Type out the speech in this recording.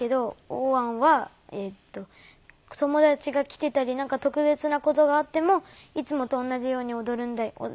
おーわんは「友達が来てたりなんか特別な事があってもいつもと同じように踊るんだよ」。